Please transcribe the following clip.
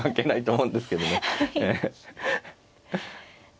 はい。